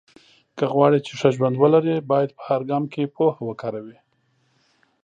که غواړې چې ښه ژوند ولرې، باید په هر ګام کې پوهه وکاروې.